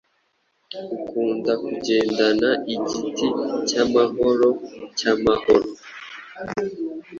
Ukunda kugendana igiti cyamahoro cyamahoro,